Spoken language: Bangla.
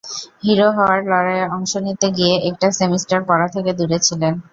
হিরো হওয়ার লড়াইয়ে অংশ নিতে গিয়ে একটা সেমিস্টার পড়া থেকে দূরে ছিলেন।